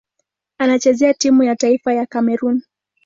Anachezea timu ya taifa ya Kamerun.